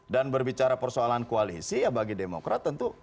dan berbicara persoalan koalisi ya bagi demokrat tentu ada pilihan